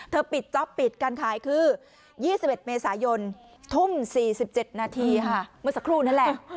ปิดจ๊อปปิดการขายคือ๒๑เมษายนทุ่ม๔๗นาทีค่ะเมื่อสักครู่นั่นแหละ